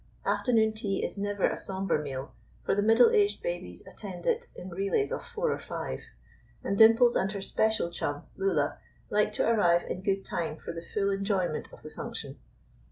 Afternoon tea is never a sombre meal, for the middle aged babies attend it in relays of four or five; and Dimples and her special chum, Lulla, like to arrive in good time for the full enjoyment of the function.